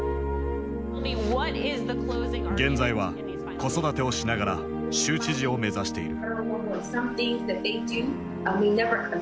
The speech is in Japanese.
現在は子育てをしながら州知事を目指している。